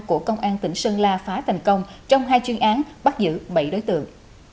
của công an tỉnh sơn la phá thành công trong hai chuyên án bắt giữ bảy đối tượng